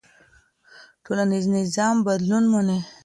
ټولنيز نظام بدلون مني.